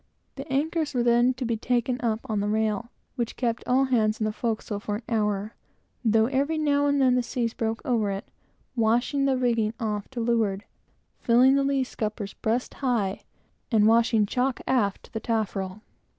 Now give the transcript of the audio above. The anchors were then to be taken up on the rail, which kept all hands on the forecastle for an hour, though every now and then the seas broke over it, washing the rigging off to leeward, filling the lee scuppers breast high, and washing chock aft to the taffrail.